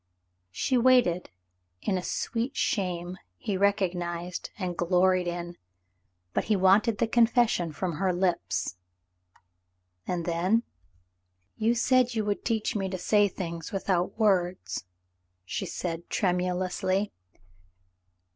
She waited in a sweet shame he recognized and gloried in, but he wanted the confession from her lips. "And then .?»" "You said you would teach me to say things without words," she said tremulously.